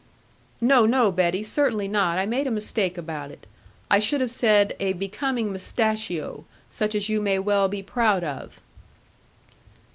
'No, no, Betty, certainly not; I made a mistake about it. I should have said a becoming mustachio, such as you may well be proud of.'